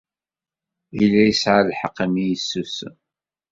Yella yesɛa lḥeqq imi ay yessusem.